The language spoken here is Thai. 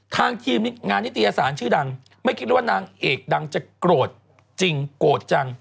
ทางทีมงานนิตยสารชื่อดังไม่คิดเลยว่านางเอกดังจะโกรธจริงโกรธจัง